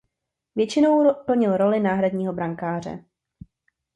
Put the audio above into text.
Většinou plnil roli náhradního brankáře.